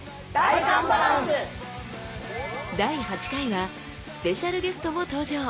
第８回はスペシャルゲストも登場！